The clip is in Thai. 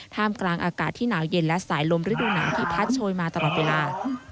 ท่ามกลางอากาศที่หนาวเย็นและสายลมฤดูหนาวที่พัดโชยมาตลอดเวลา